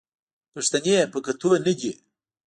پښتنې په کتو نه دي